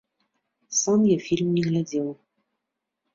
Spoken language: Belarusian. Сам я фільм не глядзеў.